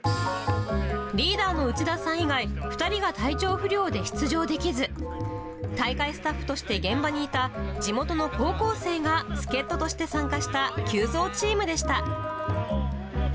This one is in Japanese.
リーダーの内田さん以外、２人が体調不良で出場できず、大会スタッフとして現場にいた、地元の高校生が助っ人として参加した急造チームでした。